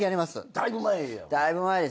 だいぶ前ですね。